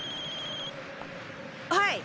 はい。